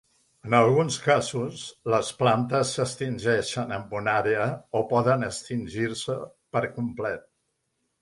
En alguns casos, les plantes s'extingeixen en una àrea o poden extingir-se per complet.